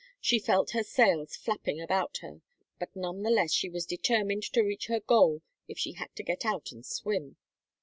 She felt her sails flapping about her, but none the less was she determined to reach her goal if she had to get out and swim.